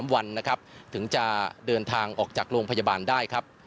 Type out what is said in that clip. วันนะครับถึงจะเดินทางออกจากโรงพยาบาลได้ครับ